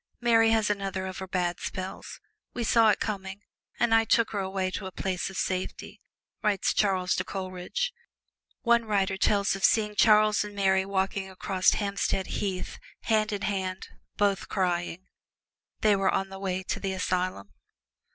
Mary has another of her bad spells we saw it coming, and I took her away to a place of safety," writes Charles to Coleridge. One writer tells of seeing Charles and Mary walking across Hampstead Heath, hand in hand, both crying. They were on the way to the asylum.